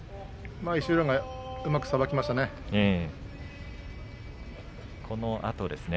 石浦がうまくさばきましたね。